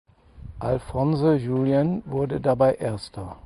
Alphonse Julen wurde dabei Erster.